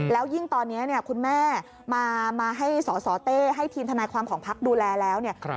แล้วยิ่งตอนนี้คุณแม่มาให้สสเต้ให้ทีมทนายความของพักดูแลแล้วเนี่ย